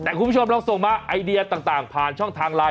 แต่คุณผู้ชมลองส่งมาไอเดียต่างผ่านช่องทางไลน